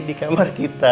di kamar kita